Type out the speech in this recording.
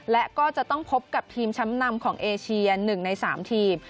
และก็จะต้องพบกับทีมชั้นนำของเอเชีย๑ใน๓ทีม